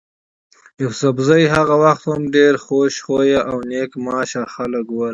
يوسفزي هغه وخت هم ډېر خوش خویه او نېک معاش خلک ول.